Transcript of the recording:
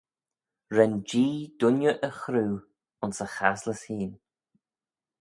Ren Jee dooinney y chroo ayns e chaslys hene.